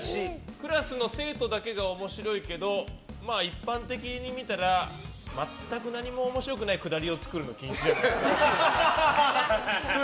クラスの生徒だけが面白いけど一般的に見たら全く何も面白くないくだりを作るの禁止じゃない？